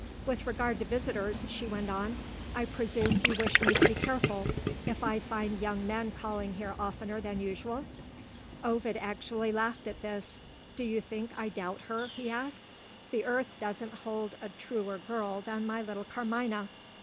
"With regard to visitors," she went on, "I presume you wish me to be careful, if I find young men calling here oftener than usual?" Ovid actually laughed at this. "Do you think I doubt her?" he asked. "The earth doesn't hold a truer girl than my little Carmina!"